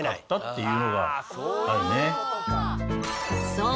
そう！